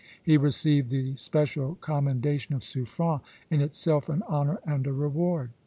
He received the special commendation of Suffren, in itself an honor and a reward.